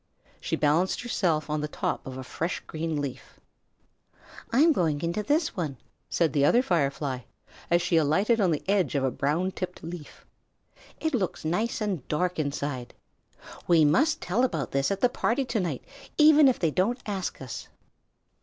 She balanced herself on the top of a fresh green leaf. "I'm going into this one," said the other Firefly, as she alighted on the edge of a brown tipped leaf. "It looks nice and dark inside. We must tell about this at the party to night, even if they don't ask us."